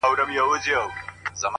د ورور په وینو او له بدیو -